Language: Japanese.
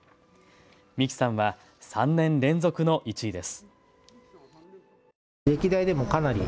三木さんは３年連続の１位です。